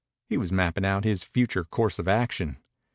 He was mapping out his future course of action.